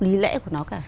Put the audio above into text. lý lẽ của nó cả